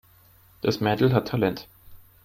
Das Mädel hat Talent.